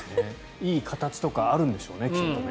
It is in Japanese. いい形とかあるんでしょうね。